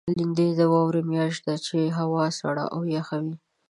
لېندۍ د واورې میاشت ده، چې هوا سړه او یخه وي.